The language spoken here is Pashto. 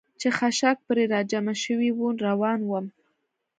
چې خاشاک پرې را جمع شوي و، روان ووم.